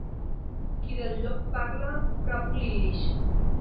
Qui del llop parla, prop li ix.